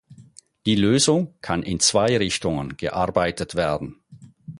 Die Lösung kann in zwei Richtungen gearbeitet werden.